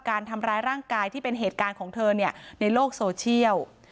การทำร้ายร่างกายที่เป็นเหตุการณ์ของเธอในโลกโซเชียล